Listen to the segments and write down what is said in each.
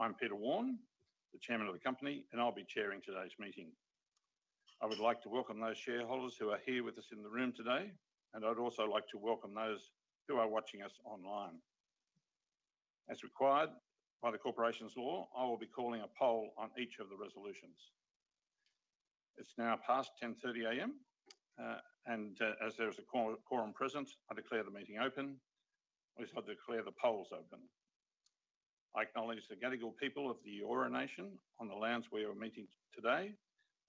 I'm Peter Warne, the Chairman of the Company, and I'll be chairing today's meeting. I would like to welcome those shareholders who are here with us in the room today, and I'd also like to welcome those who are watching us online. As required by the Corporations Law, I will be calling a poll on each of the resolutions. It's now past 10:30 A.M., and as there is a quorum present, I declare the meeting open. I also declare the polls open. I acknowledge the Gadigal people of the Eora Nation on the lands we are meeting today.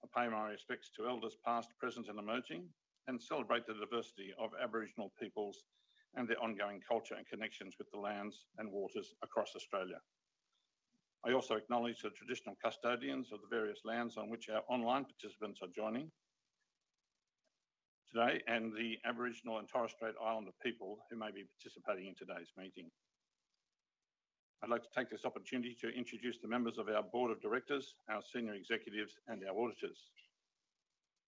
I pay my respects to elders past, present, and emerging, and celebrate the diversity of Aboriginal peoples and their ongoing culture and connections with the lands and waters across Australia. I also acknowledge the traditional custodians of the various lands on which our online participants are joining today, and the Aboriginal and Torres Strait Islander people who may be participating in today's meeting. I'd like to take this opportunity to introduce the members of our Board of Directors, our Senior Executives, and our Auditors.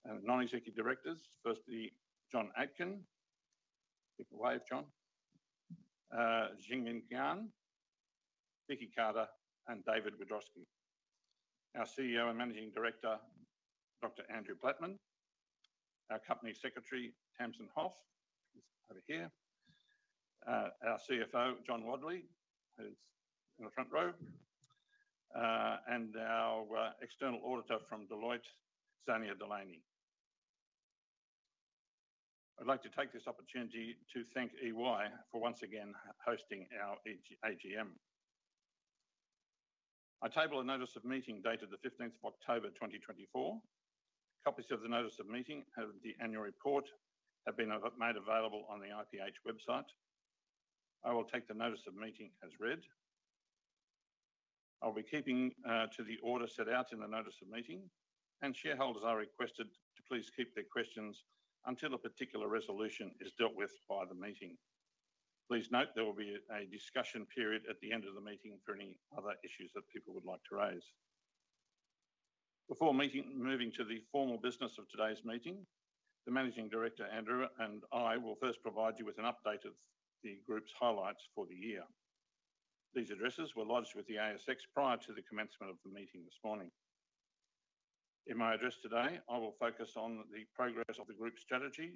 Our non-executive directors, firstly John Atkin, give a wave, John, Jingmin Qian, Vicki Carter, and David Willis. Our CEO and Managing Director, Andrew Blattman. Our Company Secretary, Tamsin Hoff, over here. Our CFO, John Wadley, who's in the front row, and our External Auditor from Deloitte, Xenia Delaney. I'd like to take this opportunity to thank EY for once again hosting our AGM. I table the notice of meeting dated the 15th of October 2024. Copies of the notice of meeting and the annual report have been made available on the IPH website. I will take the notice of meeting as read. I'll be keeping to the order set out in the notice of meeting, and shareholders are requested to please keep their questions until a particular resolution is dealt with by the meeting. Please note there will be a discussion period at the end of the meeting for any other issues that people would like to raise. Before moving to the formal business of today's meeting, the Managing Director, Andrew, and I will first provide you with an update of the group's highlights for the year. These addresses were lodged with the ASX prior to the commencement of the meeting this morning. In my address today, I will focus on the progress of the group's strategy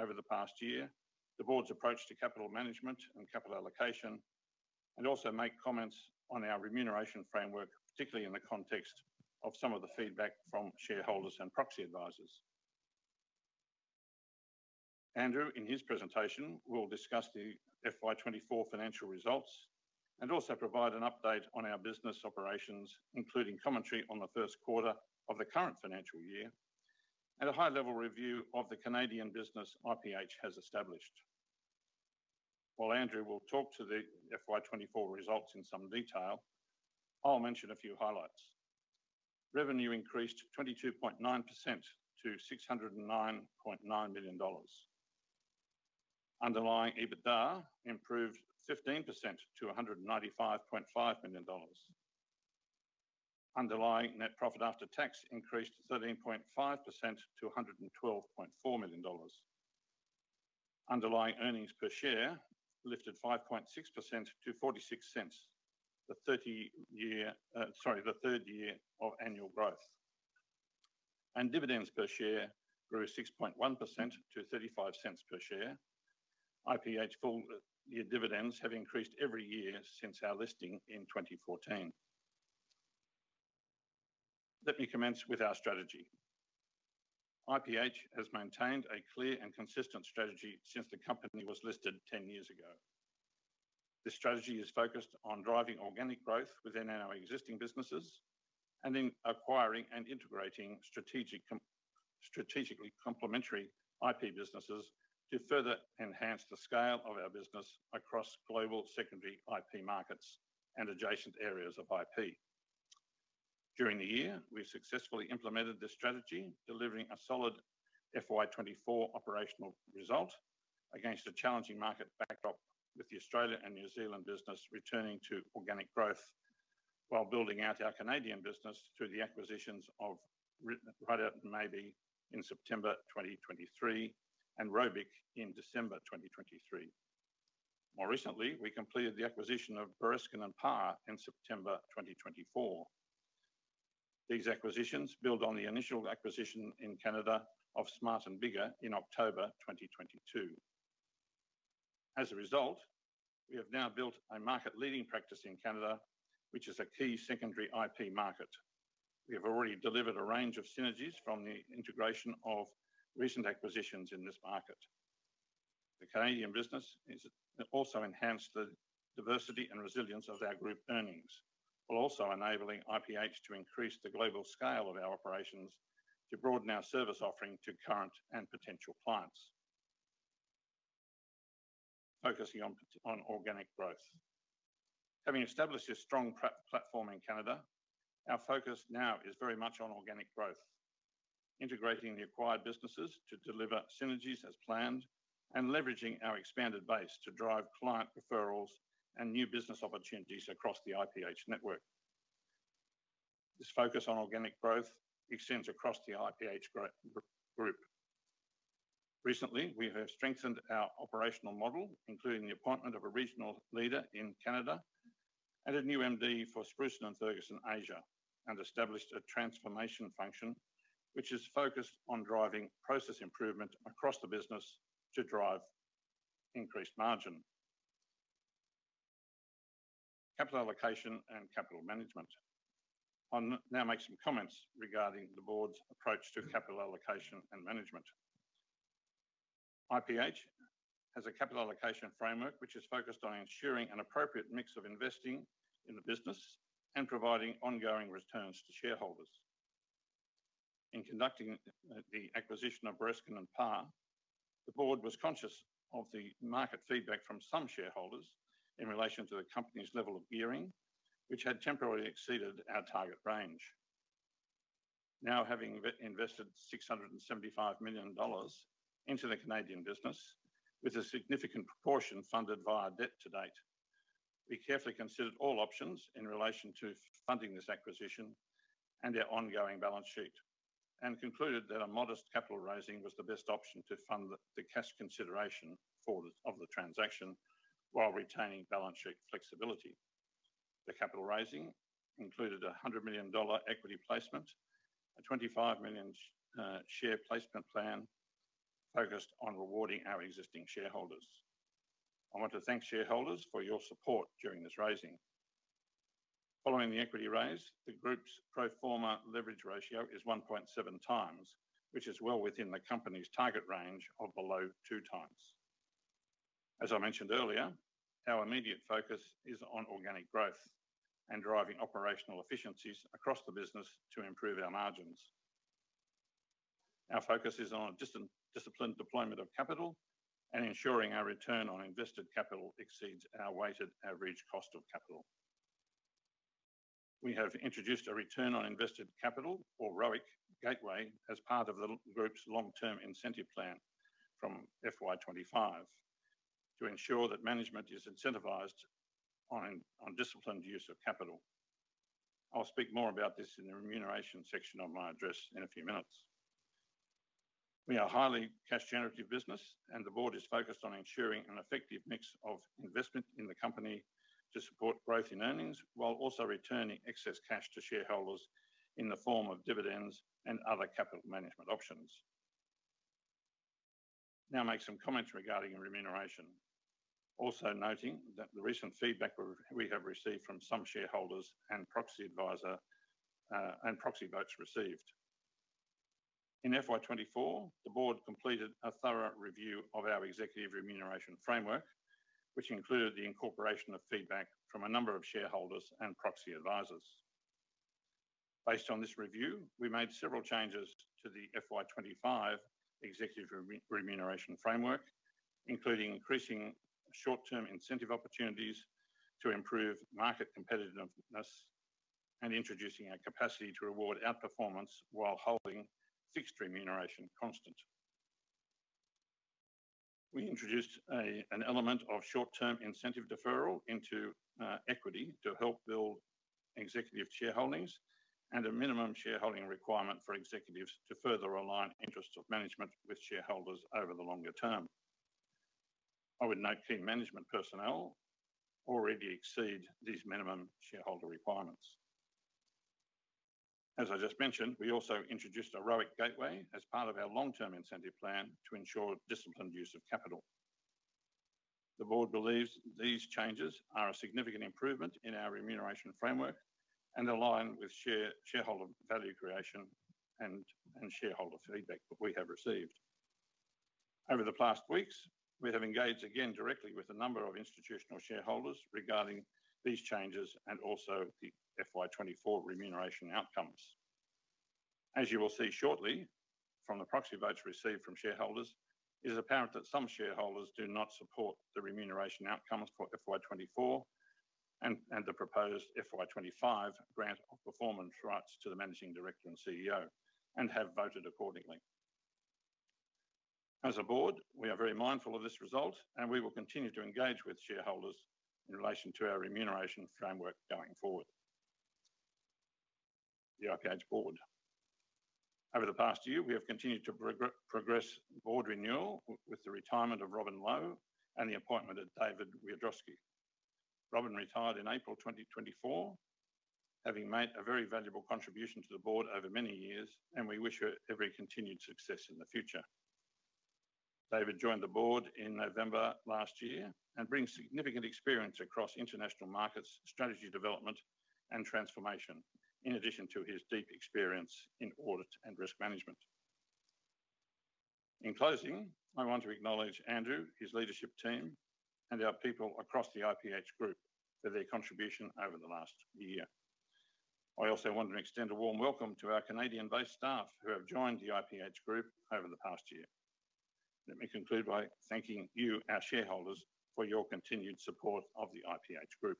over the past year, the board's approach to capital management and capital allocation, and also make comments on our remuneration framework, particularly in the context of some of the feedback from shareholders and proxy advisors. Andrew, in his presentation, will discuss the FY 2024 financial results and also provide an update on our business operations, including commentary on the first quarter of the current financial year and a high-level review of the Canadian business IPH has established. While Andrew will talk to the FY 2024 results in some detail, I'll mention a few highlights. Revenue increased 22.9% to 609.9 million dollars. Underlying EBITDA improved 15% to 195.5 million dollars. Underlying net profit after tax increased 13.5% to 112.4 million dollars. Underlying earnings per share lifted 5.6% to AUD 0.46, the third year of annual growth. And dividends per share grew 6.1% to 0.35 per share. IPH full-year dividends have increased every year since our listing in 2014. Let me commence with our strategy. IPH has maintained a clear and consistent strategy since the company was listed 10 years ago. The strategy is focused on driving organic growth within our existing businesses and in acquiring and integrating strategically complementary IP businesses to further enhance the scale of our business across global secondary IP markets and adjacent areas of IP. During the year, we've successfully implemented this strategy, delivering a solid FY 2024 operational result against a challenging market backdrop with the Australia and New Zealand business returning to organic growth while building out our Canadian business through the acquisitions of Ridout & Maybee in September 2023 and ROBIC in December 2023. More recently, we completed the acquisition of Bereskin & Parr in September 2024. These acquisitions build on the initial acquisition in Canada of Smart & Biggar in October 2022. As a result, we have now built a market-leading practice in Canada, which is a key secondary IP market. We have already delivered a range of synergies from the integration of recent acquisitions in this market. The Canadian business has also enhanced the diversity and resilience of our group earnings, while also enabling IPH to increase the global scale of our operations to broaden our service offering to current and potential clients. Focusing on organic growth. Having established a strong platform in Canada, our focus now is very much on organic growth, integrating the acquired businesses to deliver synergies as planned and leveraging our expanded base to drive client referrals and new business opportunities across the IPH network. This focus on organic growth extends across the IPH group. Recently, we have strengthened our operational model, including the appointment of a regional leader in Canada and a new MD for Spruson & Ferguson Asia, and established a transformation function which is focused on driving process improvement across the business to drive increased margin. Capital allocation and capital management. I'll now make some comments regarding the board's approach to capital allocation and management. IPH has a capital allocation framework which is focused on ensuring an appropriate mix of investing in the business and providing ongoing returns to shareholders. In conducting the acquisition of Bereskin & Parr, the board was conscious of the market feedback from some shareholders in relation to the company's level of gearing, which had temporarily exceeded our target range. Now, having invested 675 million dollars into the Canadian business, with a significant proportion funded via debt to date, we carefully considered all options in relation to funding this acquisition and our ongoing balance sheet and concluded that a modest capital raising was the best option to fund the cash consideration of the transaction while retaining balance sheet flexibility. The capital raising included a 100 million dollar equity placement, a 25 million share placement plan focused on rewarding our existing shareholders. I want to thank shareholders for your support during this raising. Following the equity raise, the group's pro forma leverage ratio is 1.7x, which is well within the company's target range of below 2x. As I mentioned earlier, our immediate focus is on organic growth and driving operational efficiencies across the business to improve our margins. Our focus is on a disciplined deployment of capital and ensuring our return on invested capital exceeds our weighted average cost of capital. We have introduced a return on invested capital, or ROIC, gateway as part of the group's long-term incentive plan from FY 2025 to ensure that management is incentivized on disciplined use of capital. I'll speak more about this in the remuneration section of my address in a few minutes. We are a highly cash-generative business, and the board is focused on ensuring an effective mix of investment in the company to support growth in earnings while also returning excess cash to shareholders in the form of dividends and other capital management options. Now, I'll make some comments regarding remuneration, also noting that the recent feedback we have received from some shareholders and proxy advisors and proxy votes received. In FY 2024, the board completed a thorough review of our executive remuneration framework, which included the incorporation of feedback from a number of shareholders and proxy advisors. Based on this review, we made several changes to the FY 2025 executive remuneration framework, including increasing short-term incentive opportunities to improve market competitiveness and introducing a capacity to reward outperformance while holding fixed remuneration constant. We introduced an element of short-term incentive deferral into equity to help build executive shareholdings and a minimum shareholding requirement for executives to further align interests of management with shareholders over the longer term. I would note key management personnel already exceed these minimum shareholder requirements. As I just mentioned, we also introduced a ROIC gateway as part of our long-term incentive plan to ensure disciplined use of capital. The board believes these changes are a significant improvement in our remuneration framework and align with shareholder value creation and shareholder feedback that we have received. Over the past weeks, we have engaged again directly with a number of institutional shareholders regarding these changes and also the FY 2024 remuneration outcomes. As you will see shortly from the proxy votes received from shareholders, it is apparent that some shareholders do not support the remuneration outcomes for FY 2024 and the proposed FY 2025 grant of performance rights to the Managing Director and CEO and have voted accordingly. As a board, we are very mindful of this result, and we will continue to engage with shareholders in relation to our remuneration framework going forward. The IPH board. Over the past year, we have continued to progress board renewal with the retirement of Robin Low and the appointment of David Willis. Robin retired in April 2024, having made a very valuable contribution to the board over many years, and we wish her every continued success in the future. David joined the board in November last year and brings significant experience across international markets, strategy development, and transformation, in addition to his deep experience in audit and risk management. In closing, I want to acknowledge Andrew, his leadership team, and our people across the IPH group for their contribution over the last year. I also want to extend a warm welcome to our Canadian-based staff who have joined the IPH group over the past year. Let me conclude by thanking you, our shareholders, for your continued support of the IPH group.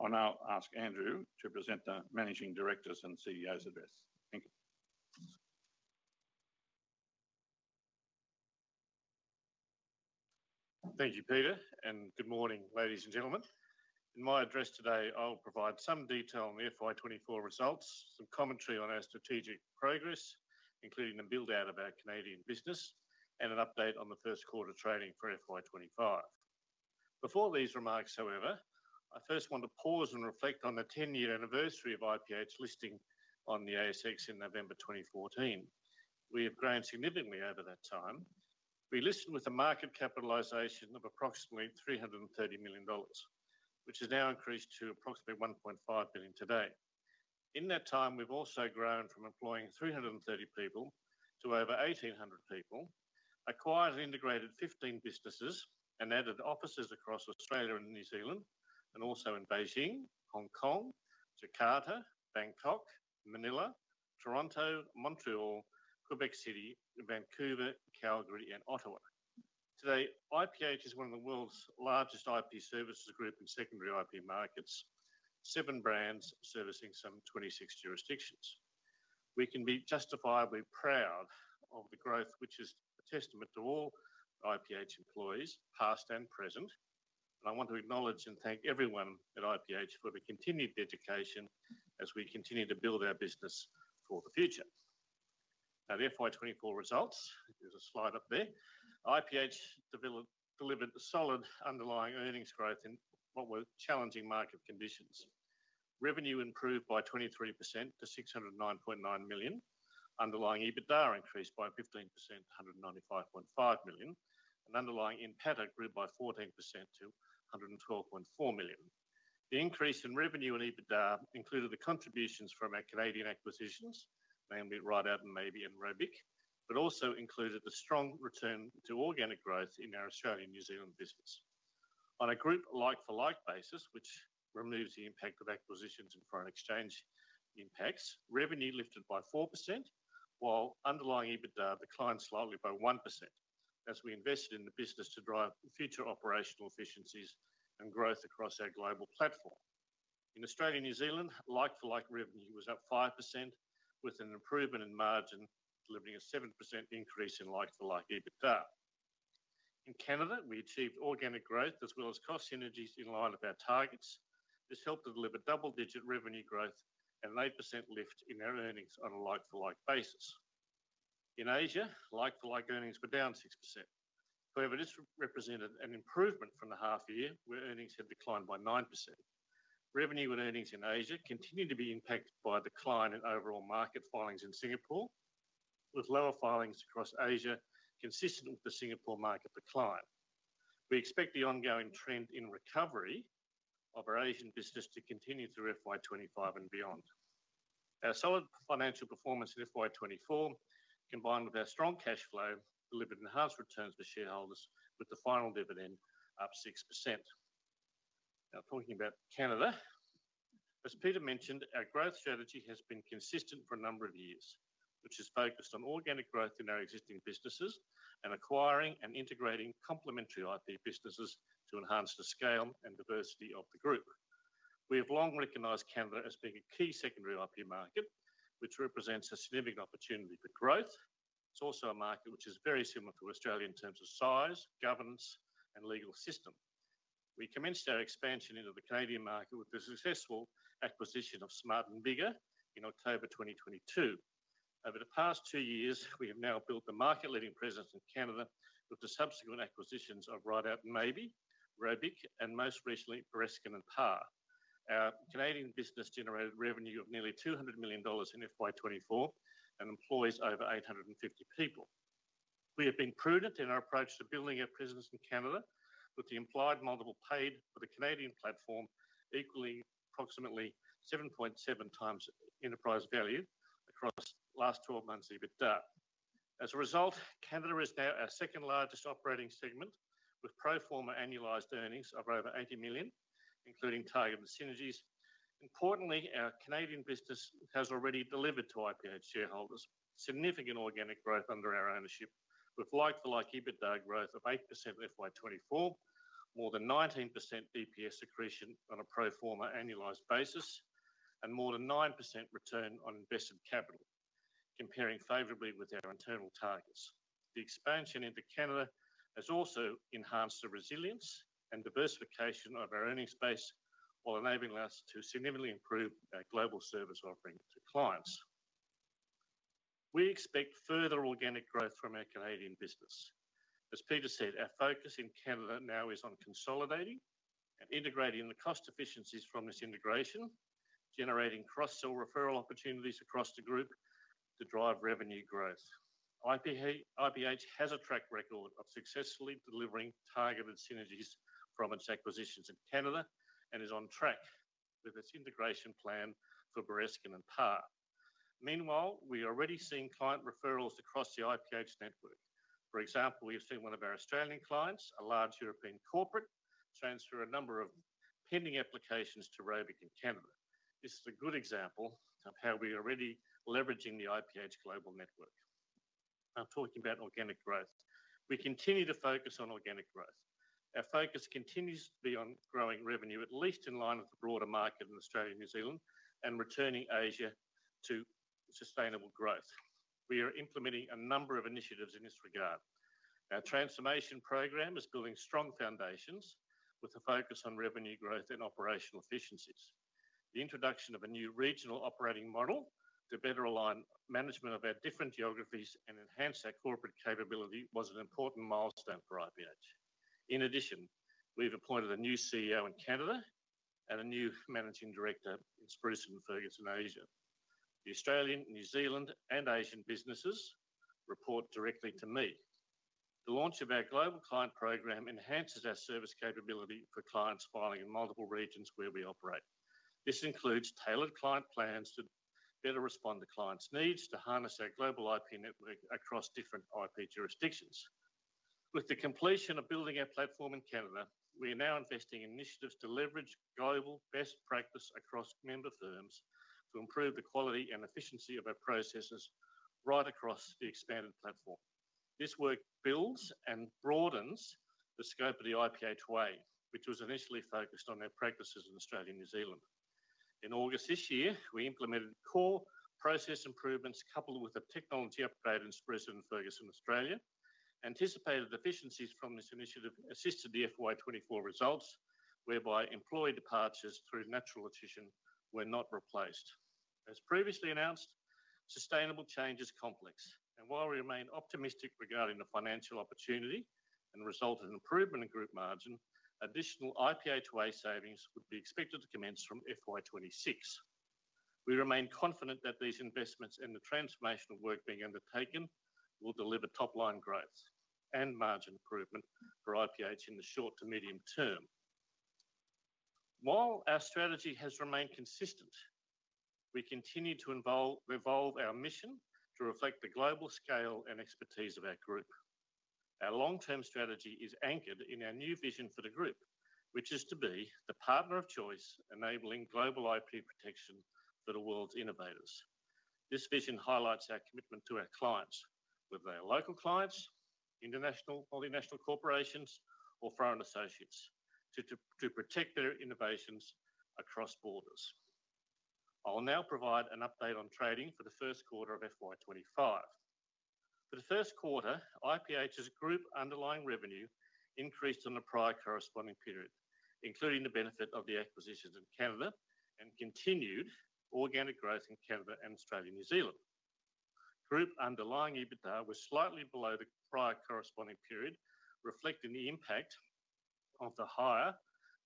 I'll now ask Andrew to present the Managing Director's and CEO's address. Thank you. Thank you, Peter, and good morning, ladies and gentlemen. In my address today, I'll provide some detail on the FY 2024 results, some commentary on our strategic progress, including a build-out of our Canadian business and an update on the first quarter trading for FY 2025. Before these remarks, however, I first want to pause and reflect on the 10-year anniversary of IPH listing on the ASX in November 2014. We have grown significantly over that time. We listed with a market capitalization of approximately 330 million dollars, which has now increased to approximately 1.5 billion today. In that time, we've also grown from employing 330 people to over 1,800 people, acquired and integrated 15 businesses, and added offices across Australia and New Zealand, and also in Beijing, Hong Kong, Jakarta, Bangkok, Manila, Toronto, Montreal, Quebec City, Vancouver, Calgary, and Ottawa. Today, IPH is one of the world's largest IP services groups in secondary IP markets, seven brands servicing some 26 jurisdictions. We can be justifiably proud of the growth, which is a testament to all IPH employees, past and present. And I want to acknowledge and thank everyone at IPH for the continued dedication as we continue to build our business for the future. Now, the FY 2024 results, there's a slide up there. IPH delivered solid underlying earnings growth in what were challenging market conditions. Revenue improved by 23% to 609.9 million. Underlying EBITDA increased by 15% to 195.5 million. And underlying NPATA grew by 14% to 112.4 million. The increase in revenue and EBITDA included the contributions from our Canadian acquisitions, mainly Ridout & Maybee and ROBIC, but also included the strong return to organic growth in our Australia and New Zealand business. On a group-like-for-like basis, which removes the impact of acquisitions and foreign exchange impacts, revenue lifted by 4%, while underlying EBITDA declined slightly by 1% as we invested in the business to drive future operational efficiencies and growth across our global platform. In Australia and New Zealand, like-for-like revenue was up 5%, with an improvement in margin delivering a 7% increase in like-for-like EBITDA. In Canada, we achieved organic growth as well as cost synergies in line with our targets. This helped to deliver double-digit revenue growth and an 8% lift in our earnings on a like-for-like basis. In Asia, like-for-like earnings were down 6%. However, this represented an improvement from the half-year where earnings had declined by 9%. Revenue and earnings in Asia continued to be impacted by a decline in overall market filings in Singapore, with lower filings across Asia consistent with the Singapore market decline. We expect the ongoing trend in recovery of our Asian business to continue through FY 2025 and beyond. Our solid financial performance in FY 2024, combined with our strong cash flow, delivered enhanced returns for shareholders, with the final dividend up 6%. Now, talking about Canada, as Peter mentioned, our growth strategy has been consistent for a number of years, which has focused on organic growth in our existing businesses and acquiring and integrating complementary IP businesses to enhance the scale and diversity of the group. We have long recognized Canada as being a key secondary IP market, which represents a significant opportunity for growth. It's also a market which is very similar to Australia in terms of size, governance, and legal system. We commenced our expansion into the Canadian market with the successful acquisition of Smart & Biggar in October 2022. Over the past two years, we have now built the market-leading presence in Canada with the subsequent acquisitions of Ridout & Maybee, ROBIC, and most recently, Bereskin & Parr. Our Canadian business generated revenue of nearly 200 million dollars in FY 2024 and employs over 850 people. We have been prudent in our approach to building our presence in Canada, with the implied multiple paid for the Canadian platform equaling approximately 7.7x enterprise value across the last 12 months' EBITDA. As a result, Canada is now our second-largest operating segment with pro forma annualized earnings of over 80 million, including targeted synergies. Importantly, our Canadian business has already delivered to IPH shareholders significant organic growth under our ownership, with like-for-like EBITDA growth of 8% in FY 2024, more than 19% EPS accretion on a pro forma annualized basis, and more than 9% return on invested capital, comparing favorably with our internal targets. The expansion into Canada has also enhanced the resilience and diversification of our earnings base while enabling us to significantly improve our global service offering to clients. We expect further organic growth from our Canadian business. As Peter said, our focus in Canada now is on consolidating and integrating the cost efficiencies from this integration, generating cross-sell referral opportunities across the group to drive revenue growth. IPH has a track record of successfully delivering targeted synergies from its acquisitions in Canada and is on track with its integration plan for Bereskin & Parr. Meanwhile, we are already seeing client referrals across the IPH network. For example, we have seen one of our Australian clients, a large European corporate, transfer a number of pending applications to ROBIC in Canada. This is a good example of how we are already leveraging the IPH global network. Now, talking about organic growth, we continue to focus on organic growth. Our focus continues to be on growing revenue, at least in line with the broader market in Australia and New Zealand, and returning Asia to sustainable growth. We are implementing a number of initiatives in this regard. Our transformation program is building strong foundations with a focus on revenue growth and operational efficiencies. The introduction of a new regional operating model to better align management of our different geographies and enhance our corporate capability was an important milestone for IPH. In addition, we've appointed a new CEO in Canada and a new Managing Director in Spruson & Ferguson Asia. The Australian, New Zealand, and Asian businesses report directly to me. The launch of our global client program enhances our service capability for clients filing in multiple regions where we operate. This includes tailored client plans to better respond to clients' needs to harness our global IP network across different IP jurisdictions. With the completion of building our platform in Canada, we are now investing in initiatives to leverage global best practice across member firms to improve the quality and efficiency of our processes right across the expanded platform. This work builds and broadens the scope of the IPH Way, which was initially focused on our practices in Australia and New Zealand. In August this year, we implemented core process improvements coupled with a technology upgrade in Spruson & Ferguson Australia. Anticipated efficiencies from this initiative assisted the FY 2024 results, whereby employee departures through natural attrition were not replaced. As previously announced, sustainable change is complex. While we remain optimistic regarding the financial opportunity and resultant improvement in group margin, additional IPH Way savings would be expected to commence from FY 2026. We remain confident that these investments and the transformational work being undertaken will deliver top-line growth and margin improvement for IPH in the short to medium term. While our strategy has remained consistent, we continue to evolve our mission to reflect the global scale and expertise of our group. Our long-term strategy is anchored in our new vision for the group, which is to be the partner of choice enabling global IP protection for the world's innovators. This vision highlights our commitment to our clients, whether they are local clients, international multinational corporations, or foreign associates, to protect their innovations across borders. I'll now provide an update on trading for the first quarter of FY 2025. For the first quarter, IPH's group underlying revenue increased in the prior corresponding period, including the benefit of the acquisitions in Canada and continued organic growth in Canada and Australia and New Zealand. Group underlying EBITDA was slightly below the prior corresponding period, reflecting the impact of the higher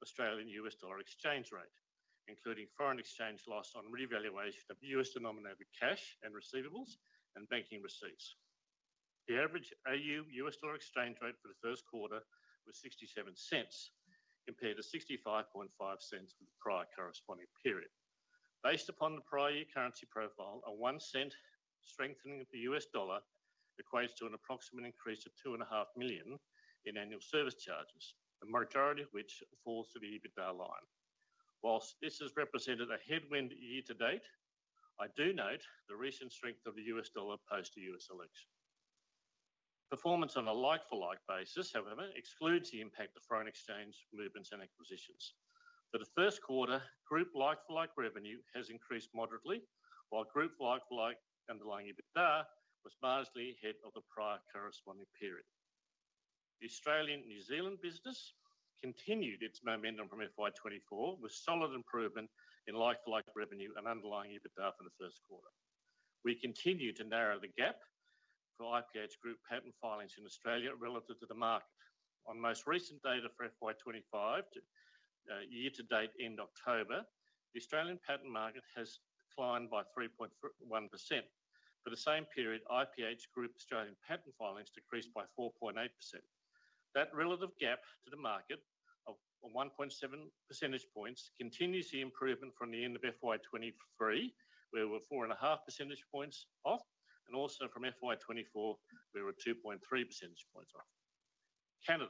AUD-USD exchange rate, including foreign exchange loss on revaluation of US denominated cash and receivables and banking receipts. The average AUD-USD exchange rate for the first quarter was 0.67, compared to 0.655 for the prior corresponding period. Based upon the prior year currency profile, a one-cent strengthening of the US dollar equates to an approximate increase of 2.5 million in annual service charges, the majority of which falls to the EBITDA line. While this has represented a headwind year to date, I do note the recent strength of the U.S. dollar post the U.S. election. Performance on a like-for-like basis, however, excludes the impact of foreign exchange movements and acquisitions. For the first quarter, group like-for-like revenue has increased moderately, while group like-for-like underlying EBITDA was vastly ahead of the prior corresponding period. The Australian and New Zealand business continued its momentum from FY 2024 with solid improvement in like-for-like revenue and underlying EBITDA for the first quarter. We continue to narrow the gap for IPH group patent filings in Australia relative to the market. On most recent data for FY 2025, year-to-date end October, the Australian patent market has declined by 3.1%. For the same period, IPH group Australian patent filings decreased by 4.8%. That relative gap to the market of 1.7 percentage points continues the improvement from the end of FY23, where we were 4.5 percentage points off, and also from FY 2024, we were 2.3 percentage points off.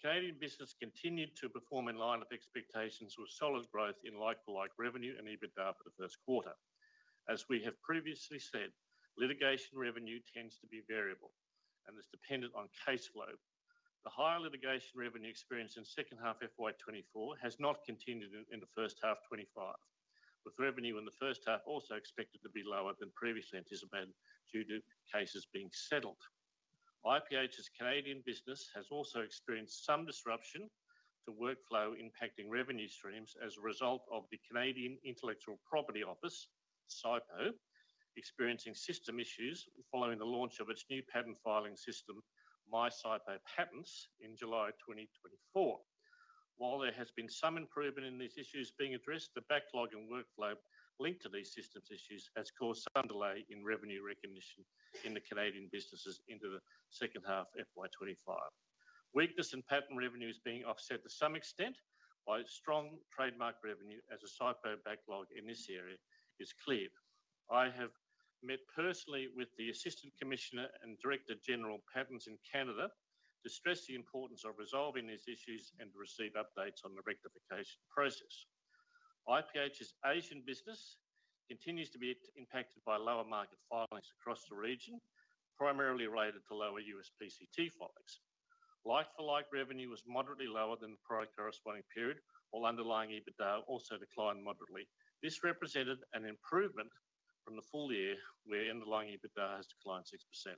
Canada. The Canadian business continued to perform in line with expectations with solid growth in like-for-like revenue and EBITDA for the first quarter. As we have previously said, litigation revenue tends to be variable, and it's dependent on case flow. The higher litigation revenue experienced in second half FY 2024 has not continued in the first half '25, with revenue in the first half also expected to be lower than previously anticipated due to cases being settled. IPH's Canadian business has also experienced some disruption to workflow impacting revenue streams as a result of the Canadian Intellectual Property Office, CIPO, experiencing system issues following the launch of its new patent filing system, MyCIPO Patents, in July 2024. While there has been some improvement in these issues being addressed, the backlog and workflow linked to these systems issues has caused some delay in revenue recognition in the Canadian businesses into the second half FY 2025. Weakness in patent revenues being offset to some extent by strong trademark revenue as a CIPO backlog in this area is clear. I have met personally with the Assistant Commissioner and Director General of Patents in Canada to stress the importance of resolving these issues and to receive updates on the rectification process. IPH's Asian business continues to be impacted by lower market filings across the region, primarily related to lower U.S. PCT filings. Like-for-like revenue was moderately lower than the prior corresponding period, while underlying EBITDA also declined moderately. This represented an improvement from the full year where underlying EBITDA has declined 6%.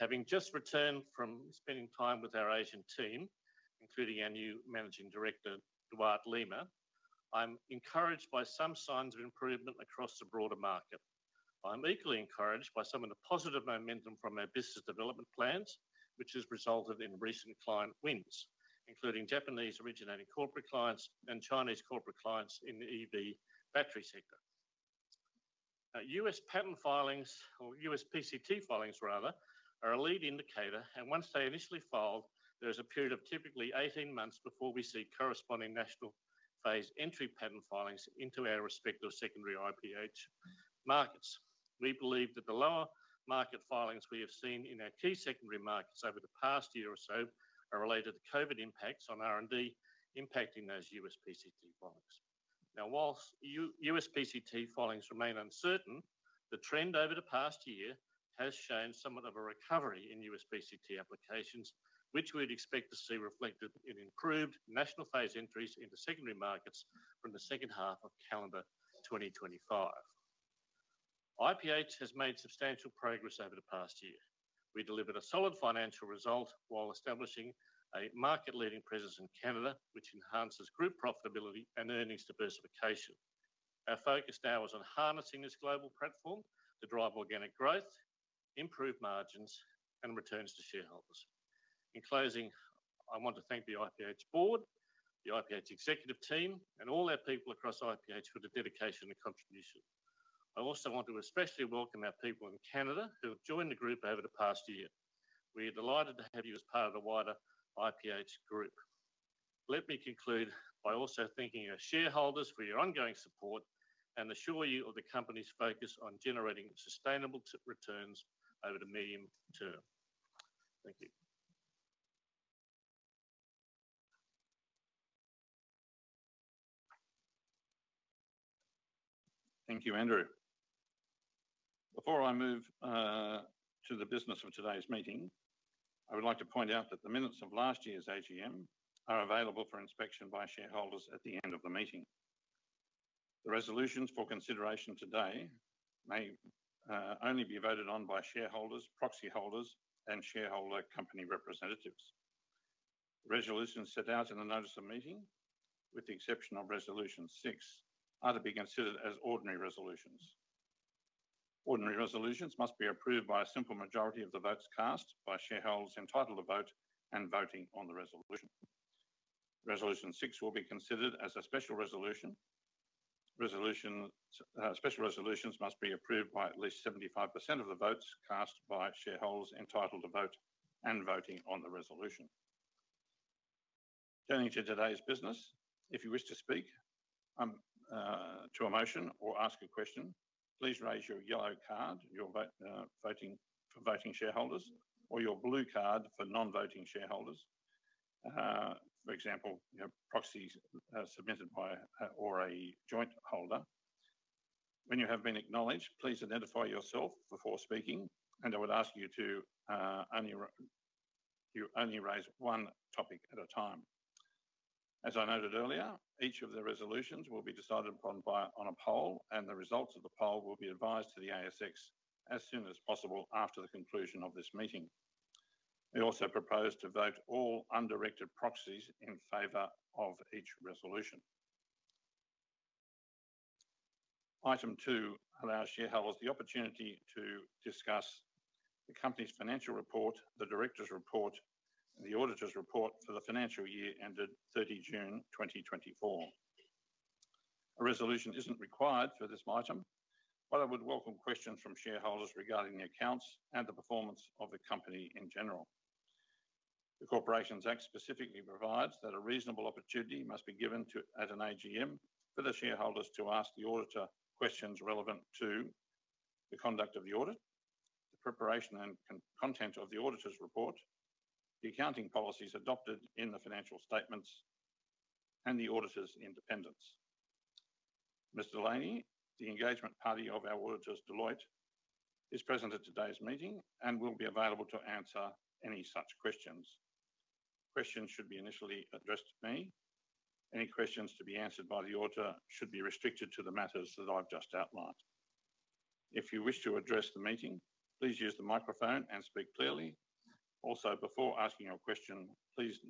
Having just returned from spending time with our Asian team, including our new Managing Director, Duarte Lima, I'm encouraged by some signs of improvement across the broader market. I'm equally encouraged by some of the positive momentum from our business development plans, which has resulted in recent client wins, including Japanese originating corporate clients and Chinese corporate clients in the EV battery sector. U.S. patent filings, or U.S. PCT filings rather, are a lead indicator, and once they initially filed, there is a period of typically 18 months before we see corresponding national phase entry patent filings into our respective secondary IPH markets. We believe that the lower market filings we have seen in our key secondary markets over the past year or so are related to COVID impacts on R&D impacting those U.S. PCT filings. Now, while U.S. PCT filings remain uncertain, the trend over the past year has shown somewhat of a recovery in U.S. PCT applications, which we'd expect to see reflected in improved national phase entries into secondary markets from the second half of calendar 2025. IPH has made substantial progress over the past year. We delivered a solid financial result while establishing a market-leading presence in Canada, which enhances group profitability and earnings diversification. Our focus now is on harnessing this global platform to drive organic growth, improve margins, and returns to shareholders. In closing, I want to thank the IPH board, the IPH executive team, and all our people across IPH for the dedication and contribution. I also want to especially welcome our people in Canada who have joined the group over the past year. We are delighted to have you as part of the wider IPH group. Let me conclude by also thanking our shareholders for your ongoing support and assure you of the company's focus on generating sustainable returns over the medium term. Thank you. Thank you, Andrew. Before I move to the business of today's meeting, I would like to point out that the minutes of last year's AGM are available for inspection by shareholders at the end of the meeting. The resolutions for consideration today may only be voted on by shareholders, proxy holders, and shareholder company representatives. Resolutions set out in the notice of meeting, with the exception of Resolution 6, are to be considered as ordinary resolutions. Ordinary resolutions must be approved by a simple majority of the votes cast by shareholders entitled to vote and voting on the resolution. Resolution 6 will be considered as a special resolution. Special resolutions must be approved by at least 75% of the votes cast by shareholders entitled to vote and voting on the resolution. Turning to today's business, if you wish to speak to a motion or ask a question, please raise your yellow card for voting shareholders, or your blue card for non-voting shareholders. For example, proxies submitted by a proxy or a joint holder. When you have been acknowledged, please identify yourself before speaking, and I would ask you to only raise one topic at a time. As I noted earlier, each of the resolutions will be decided upon via a poll, and the results of the poll will be advised to the ASX as soon as possible after the conclusion of this meeting. We also propose to vote all undirected proxies in favor of each resolution. Item two allows shareholders the opportunity to discuss the company's financial report, the director's report, and the auditor's report for the financial year ended 30 June 2024. A resolution isn't required for this item, but I would welcome questions from shareholders regarding the accounts and the performance of the company in general. The Corporations Act specifically provides that a reasonable opportunity must be given at an AGM for the shareholders to ask the auditor questions relevant to the conduct of the audit, the preparation and content of the auditor's report, the accounting policies adopted in the financial statements, and the auditor's independence. Xenia Delaney, the engagement partner of our auditors, Deloitte, is present at today's meeting and will be available to answer any such questions. Questions should be initially addressed to me. Any questions to be answered by the auditor should be restricted to the matters that I've just outlined. If you wish to address the meeting, please use the microphone and speak clearly. Also, before asking your question, please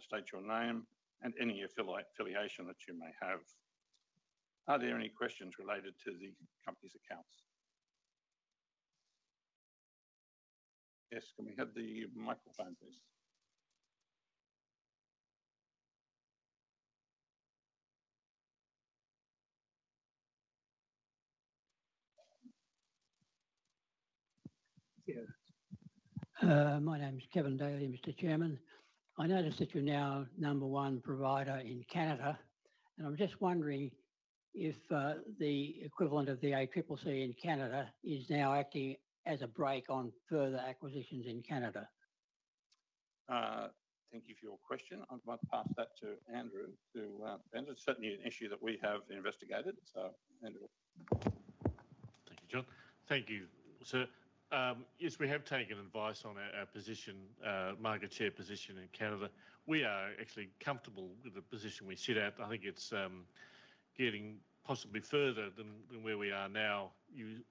state your name and any affiliation that you may have. Are there any questions related to the company's accounts? Yes, can we have the microphone, please? My name's Kevin Daly, Mr. Chairman. I noticed that you're now number one provider in Canada, and I'm just wondering if the equivalent of the ACCC in Canada is now acting as a brake on further acquisitions in Canada. Thank you for your question. I might pass that to Andrew to answer. It's certainly an issue that we have investigated. So, Andrew. Thank you, John. Thank you, sir. Yes, we have taken advice on our position, market share position in Canada. We are actually comfortable with the position we sit at. I think it's getting possibly further than where we are now.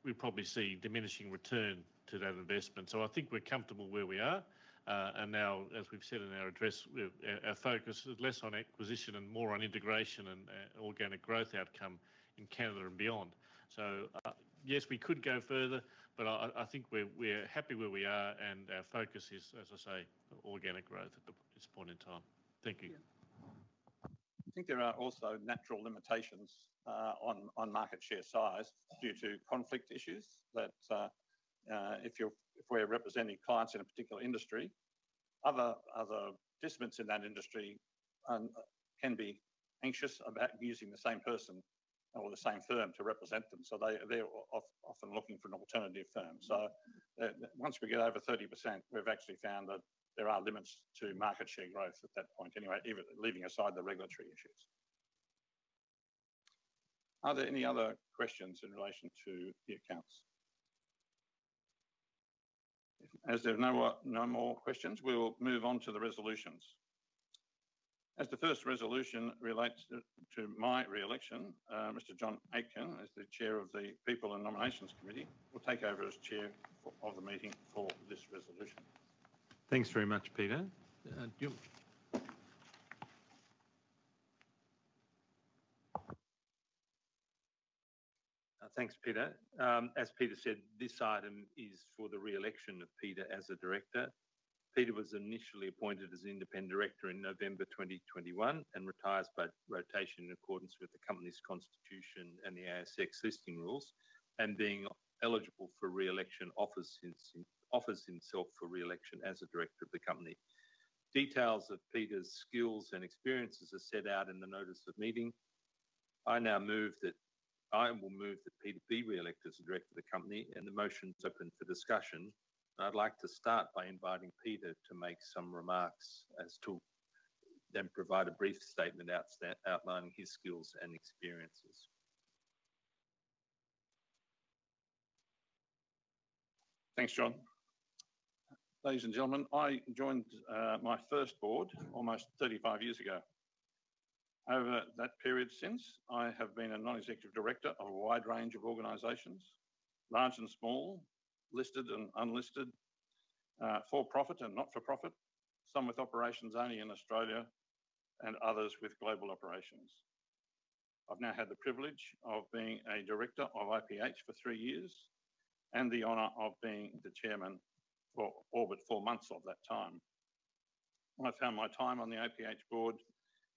We probably see diminishing return to that investment. So I think we're comfortable where we are, and now, as we've said in our address, our focus is less on acquisition and more on integration and organic growth outcome in Canada and beyond, so yes, we could go further, but I think we're happy where we are, and our focus is, as I say, organic growth at this point in time. Thank you. I think there are also natural limitations on market share size due to conflict issues that if we're representing clients in a particular industry, other participants in that industry can be anxious about using the same person or the same firm to represent them. So they're often looking for an alternative firm. So once we get over 30%, we've actually found that there are limits to market share growth at that point anyway, leaving aside the regulatory issues. Are there any other questions in relation to the accounts? As there are no more questions, we will move on to the resolutions. As the first resolution relates to my reelection, Mr. John Atkin, as the chair of the People and Nominations Committee, will take over as chair of the meeting for this resolution. Thanks very much, Peter. Thanks, Peter. As Peter said, this item is for the reelection of Peter as a director. Peter was initially appointed as independent director in November 2021 and retires by rotation in accordance with the company's constitution and the ASX listing rules and being eligible for reelection offers himself for reelection as a director of the company. Details of Peter's skills and experiences are set out in the notice of meeting. I now move that Peter be reelected as a director of the company, and the motion's open for discussion. I'd like to start by inviting Peter to make some remarks as to then provide a brief statement outlining his skills and experiences. Thanks, John. Ladies and gentlemen, I joined my first board almost 35 years ago. Over that period since, I have been a non-executive director of a wide range of organizations, large and small, listed and unlisted, for-profit and not-for-profit, some with operations only in Australia and others with global operations. I've now had the privilege of being a director of IPH for three years and the honor of being the chairman for about four months of that time. I found my time on the IPH board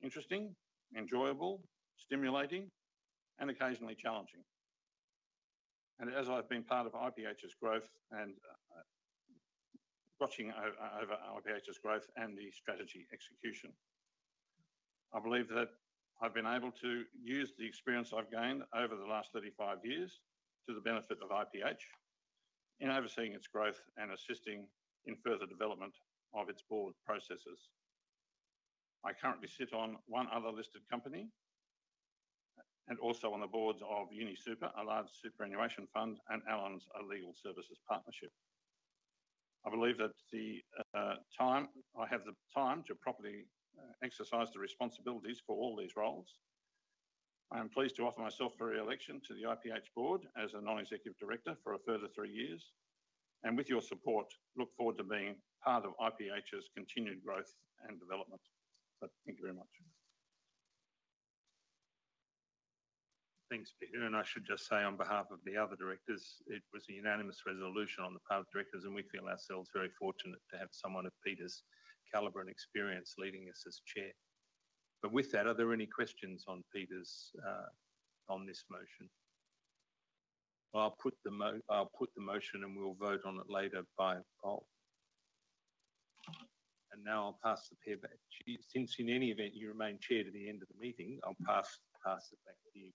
interesting, enjoyable, stimulating, and occasionally challenging, and as I've been part of IPH's growth and watching over IPH's growth and the strategy execution, I believe that I've been able to use the experience I've gained over the last 35 years to the benefit of IPH in overseeing its growth and assisting in further development of its board processes. I currently sit on one other listed company and also on the boards of UniSuper, a large superannuation fund, and Allens Legal Services Partnership. I believe that I have the time to properly exercise the responsibilities for all these roles. I am pleased to offer myself for reelection to the IPH board as a non-executive director for a further three years. And with your support, look forward to being part of IPH's continued growth and development. Thank you very much. Thanks, Peter. And I should just say on behalf of the other directors, it was a unanimous resolution on the part of directors, and we feel ourselves very fortunate to have someone of Peter's caliber and experience leading us as chair. But with that, are there any questions on Peter's motion? I'll put the motion, and we'll vote on it later by poll. And now I'll pass the chair. Since in any event you remain chair to the end of the meeting, I'll pass it back to you.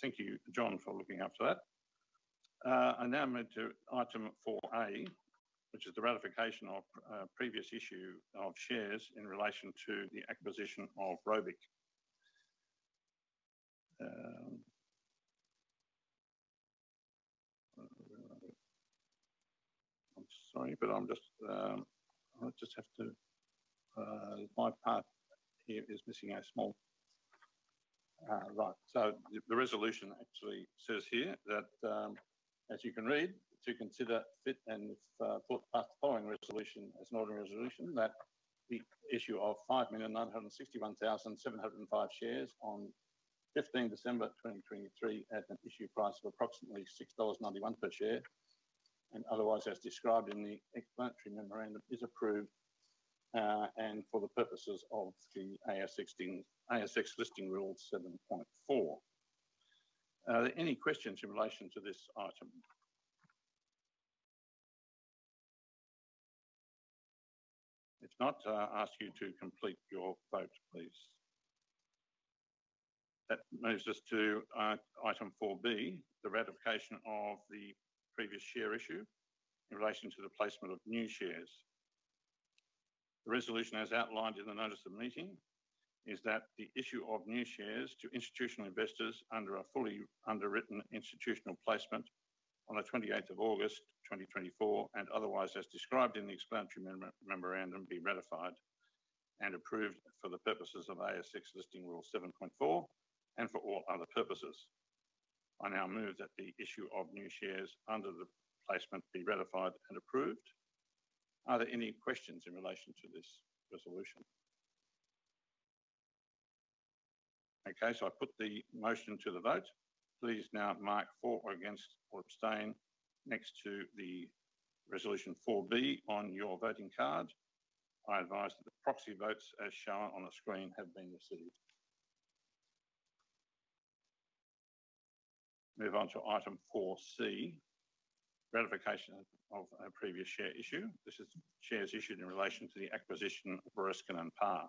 Thank you, John, for looking after that. I now move to item 4A, which is the ratification of a previous issue of shares in relation to the acquisition of ROBIC. I'm sorry, but I just have to. My part here is missing. All right. So the resolution actually says here that, as you can read, to consider fit and proper, the following resolution as an ordinary resolution that the issue of 5,961,705 shares on 15 December 2023 at an issue price of approximately 6.91 dollars per share, and otherwise as described in the explanatory memorandum, is approved and for the purposes of the ASX listing rule 7.4. Are there any questions in relation to this item? If not, I ask you to complete your vote, please. That moves us to item 4B, the ratification of the previous share issue in relation to the placement of new shares. The resolution, as outlined in the notice of meeting, is that the issue of new shares to institutional investors under a fully underwritten institutional placement on the 28th of August 2024 and otherwise as described in the explanatory memorandum be ratified and approved for the purposes of ASX listing rule 7.4 and for all other purposes. I now move that the issue of new shares under the placement be ratified and approved. Are there any questions in relation to this resolution? Okay, so I put the motion to the vote. Please now mark for or against or abstain next to the resolution 4B on your voting card. I advise that the proxy votes, as shown on the screen, have been received. Move on to item 4C, ratification of a previous share issue. This is shares issued in relation to the acquisition of Bereskin & Parr.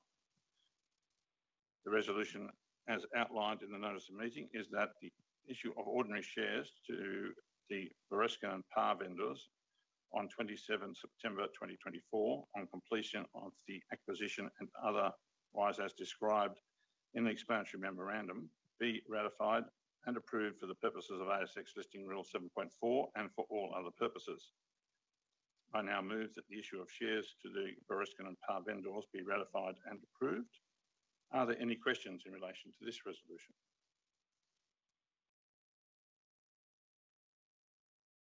The resolution, as outlined in the notice of meeting, is that the issue of ordinary shares to the Bereskin & Parr vendors on 27 September 2024 on completion of the acquisition and otherwise as described in the explanatory memorandum be ratified and approved for the purposes of ASX listing rule 7.4 and for all other purposes. I now move that the issue of shares to the Bereskin & Parr vendors be ratified and approved. Are there any questions in relation to this resolution?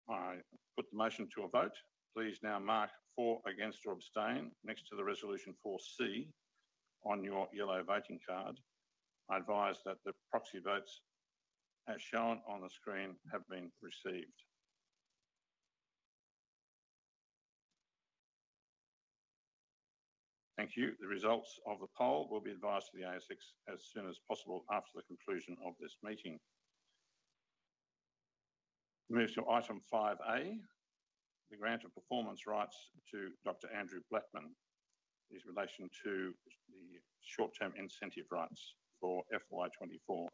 I put the motion to a vote. Please now mark for or against or abstain next to the resolution 4C on your yellow voting card. I advise that the proxy votes, as shown on the screen, have been received. Thank you. The results of the poll will be advised to the ASX as soon as possible after the conclusion of this meeting. Moves to item 5A, the grant of performance rights to Dr. Andrew Blattman in relation to the short-term incentive rights for FY 2024.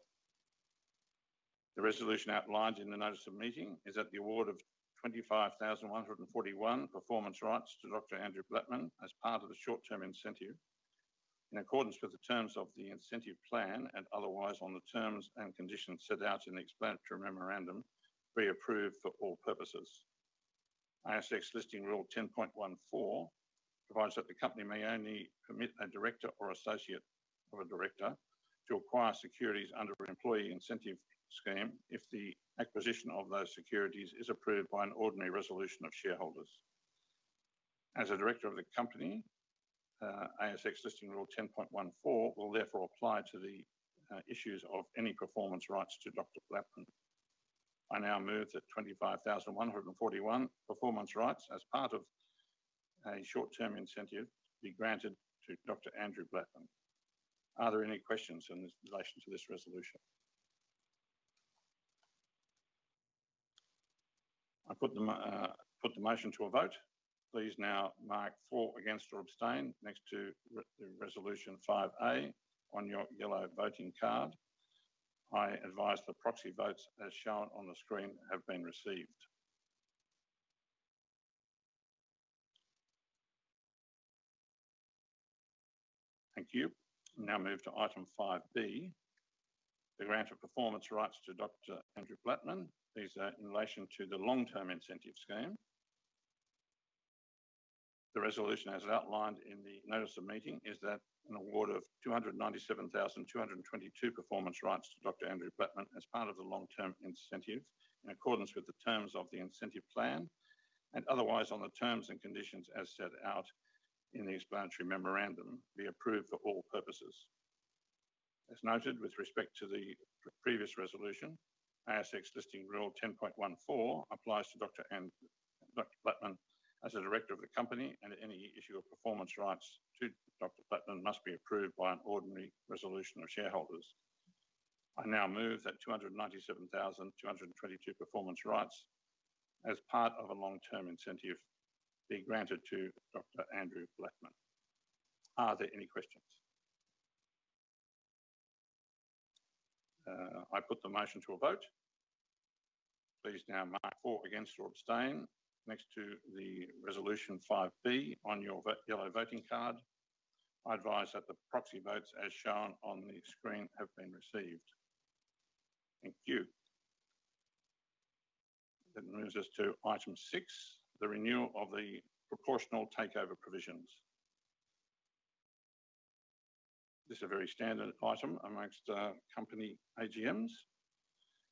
The resolution outlined in the notice of meeting is that the award of 25,141 performance rights to Dr. Andrew Blattman as part of the short-term incentive, in accordance with the terms of the incentive plan and otherwise on the terms and conditions set out in the explanatory memorandum, be approved for all purposes. ASX listing rule 10.14 provides that the company may only permit a director or associate of a director to acquire securities under an employee incentive scheme if the acquisition of those securities is approved by an ordinary resolution of shareholders. As a director of the company, ASX listing rule 10.14 will therefore apply to the issues of any performance rights to Dr. Blattman. I now move that 25,141 performance rights as part of a short-term incentive be granted to Dr. Andrew Blattman. Are there any questions in relation to this resolution? I put the motion to a vote. Please now mark for or against or abstain next to the resolution 5A on your yellow voting card. I advise the proxy votes, as shown on the screen, have been received. Thank you. Now move to item 5B, the grant of performance rights to Dr. Andrew Blattman. These are in relation to the long-term incentive scheme. The resolution, as outlined in the notice of meeting, is that an award of 297,222 performance rights to Dr. Andrew Blattman as part of the long-term incentive, in accordance with the terms of the incentive plan and otherwise on the terms and conditions as set out in the explanatory memorandum, be approved for all purposes. As noted, with respect to the previous resolution, ASX listing rule 10.14 applies to Dr. Blattman as a director of the company, and any issue of performance rights to Dr. Blattman must be approved by an ordinary resolution of shareholders. I now move that 297,222 performance rights as part of a long-term incentive be granted to Dr. Andrew Blattman. Are there any questions? I put the motion to a vote. Please now mark for or against or abstain next to the resolution 5B on your yellow voting card. I advise that the proxy votes, as shown on the screen, have been received. Thank you. That moves us to item 6, the renewal of the proportional takeover provisions. This is a very standard item among company AGMs.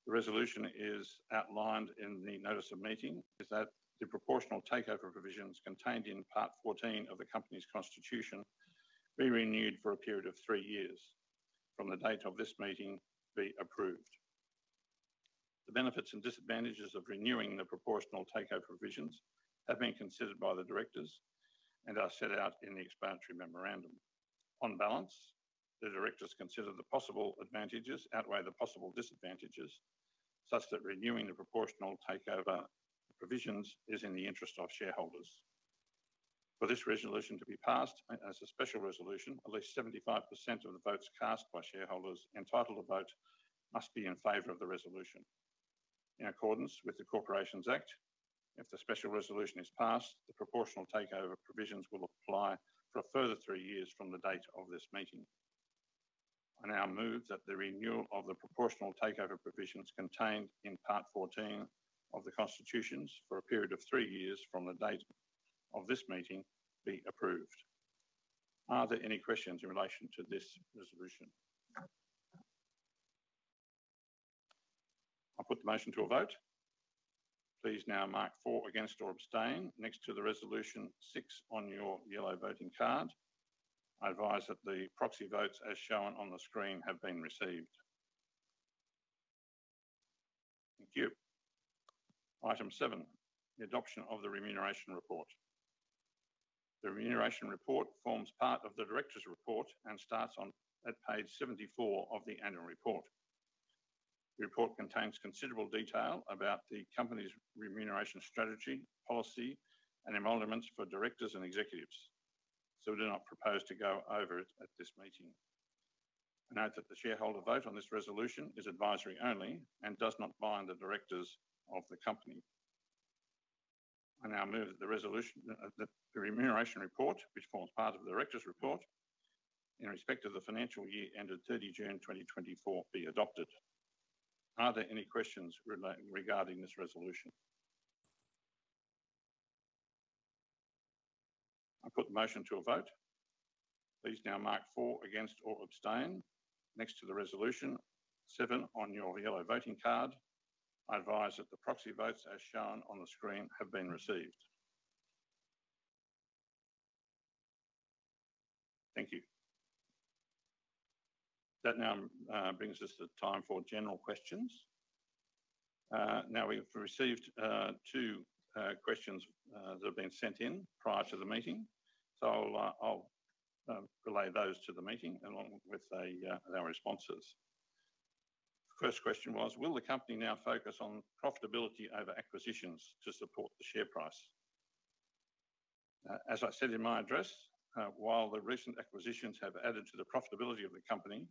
The resolution is outlined in the notice of meeting is that the proportional takeover provisions contained in part 14 of the company's constitution be renewed for a period of three years from the date of this meeting be approved. The benefits and disadvantages of renewing the proportional takeover provisions have been considered by the directors and are set out in the explanatory memorandum. On balance, the directors consider the possible advantages outweigh the possible disadvantages such that renewing the proportional takeover provisions is in the interest of shareholders. For this resolution to be passed as a special resolution, at least 75% of the votes cast by shareholders entitled to vote must be in favor of the resolution. In accordance with the Corporations Act, if the special resolution is passed, the proportional takeover provisions will apply for a further three years from the date of this meeting. I now move that the renewal of the proportional takeover provisions contained in part 14 of the constitutions for a period of three years from the date of this meeting be approved. Are there any questions in relation to this resolution? I put the motion to a vote. Please now mark for or against or abstain next to the resolution 6 on your yellow voting card. I advise that the proxy votes, as shown on the screen, have been received. Thank you. Item 7, the adoption of the remuneration report. The remuneration report forms part of the director's report and starts on page 74 of the annual report. The report contains considerable detail about the company's remuneration strategy, policy, and emoluments for directors and executives, so we do not propose to go over it at this meeting. I note that the shareholder vote on this resolution is advisory only and does not bind the directors of the company. I now move that the remuneration report, which forms part of the director's report in respect of the financial year ended 30 June 2024, be adopted. Are there any questions regarding this resolution? I put the motion to a vote. Please now mark for or against or abstain next to the resolution 7 on your yellow voting card. I advise that the proxy votes, as shown on the screen, have been received. Thank you. That now brings us to time for general questions. Now we've received two questions that have been sent in prior to the meeting, so I'll relay those to the meeting along with our responses. The first question was, will the company now focus on profitability over acquisitions to support the share price? As I said in my address, while the recent acquisitions have added to the profitability of the company,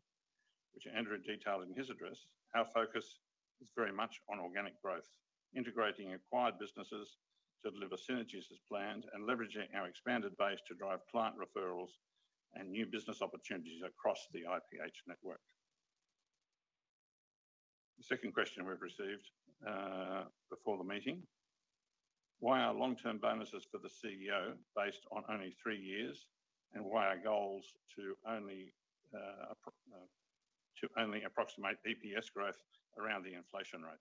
which Andrew detailed in his address, our focus is very much on organic growth, integrating acquired businesses to deliver synergies as planned, and leveraging our expanded base to drive client referrals and new business opportunities across the IPH network. The second question we've received before the meeting, why are long-term bonuses for the CEO based on only three years, and why are goals to only approximate EPS growth around the inflation rate?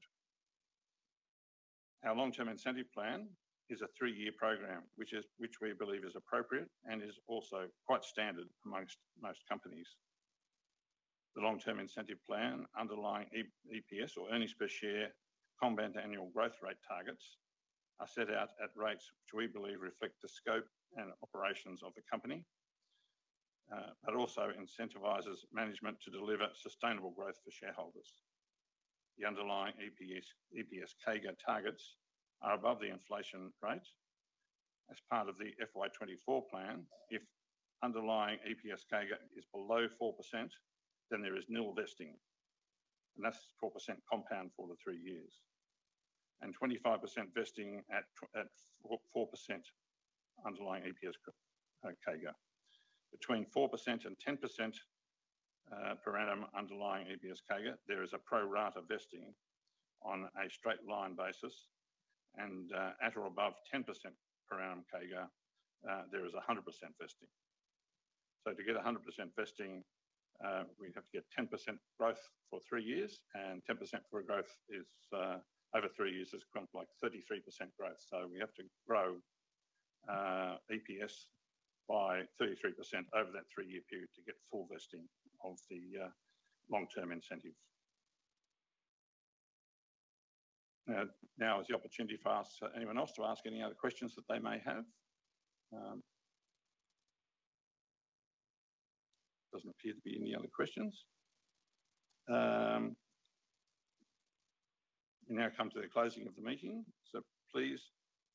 Our long-term incentive plan is a three-year program, which we believe is appropriate and is also quite standard among most companies. The long-term incentive plan underlying EPS or earnings per share combined annual growth rate targets are set out at rates which we believe reflect the scope and operations of the company, but also incentivizes management to deliver sustainable growth for shareholders. The underlying EPS CAGR targets are above the inflation rate. As part of the FY 2024 plan, if underlying EPS CAGR is below 4%, then there is nil vesting, and that's 4% compound for the three years, and 25% vesting at 4% underlying EPS CAGR. Between 4%-10% per annum underlying EPS CAGR, there is a pro rata vesting on a straight line basis, and at or above 10% per annum CAGR, there is 100% vesting. So to get 100% vesting, we have to get 10% growth for three years, and 10% growth over three years is equivalent to like 33% growth. So we have to grow EPS by 33% over that three-year period to get full vesting of the long-term incentive. Now is the opportunity for anyone else to ask any other questions that they may have? Doesn't appear to be any other questions. We now come to the closing of the meeting, so please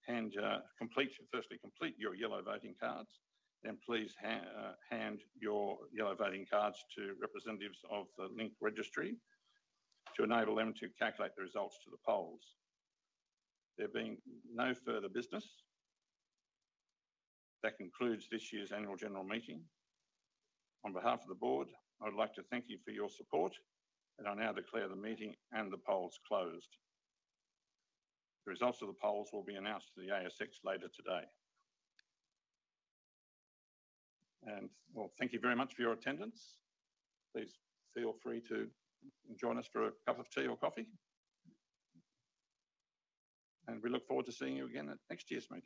complete your yellow voting cards, then please hand your yellow voting cards to representatives of the Link Group to enable them to calculate the results to the polls. There being no further business, that concludes this year's annual general meeting. On behalf of the board, I would like to thank you for your support, and I now declare the meeting and the polls closed. The results of the polls will be announced to the ASX later today. Well, thank you very much for your attendance. Please feel free to join us for a cup of tea or coffee, and we look forward to seeing you again at next year's meeting.